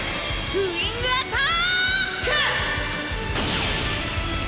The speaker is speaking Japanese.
ウィングアターック！